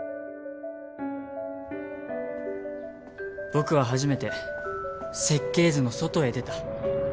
僕は初めて設計図の外へ出た。